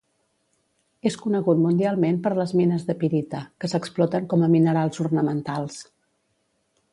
És conegut mundialment per les mines de pirita, que s'exploten com a minerals ornamentals.